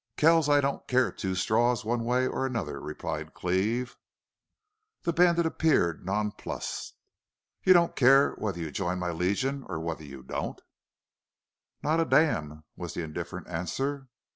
"Kells, I don't care two straws one way or another," replied Cleve. The bandit appeared nonplussed. "You don't care whether you join my Legion or whether you don't?" "Not a damn," was the indifferent answer.